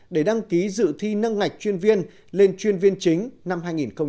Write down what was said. để đăng ký dự thi nâng ngạch chuyên viên lên chuyên viên chính năm hai nghìn một mươi sáu